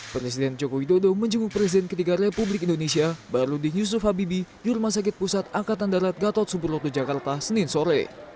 presiden jokowi dodo menjenguk presiden ketiga republik indonesia barudih yusuf habibie yurma sakit pusat angkatan darat gatot subroto jakarta senin sore